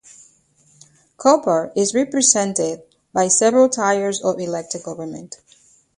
Cupar is represented by several tiers of elected government.